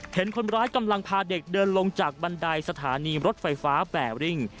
เห็นคนร้ายกำลังพาเด็กเดินลงจากบันไดสถานีรถไฟฟ้าแบริ่ง